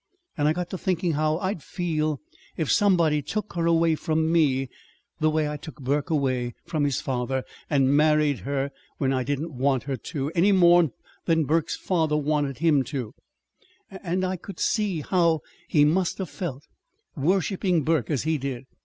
And I got to thinking how I'd feel if somebody took her away from me the way I took Burke away from his father, and married her when I didn't want her to, any more 'n Burke's father wanted him to; and I I could see then how he must have felt, worshiping Burke as he did.